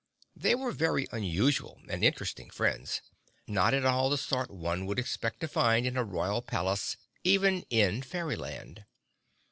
They were very unusual and interesting friends, not at all the sort one would expect to find in a royal palace, even in Fairyland.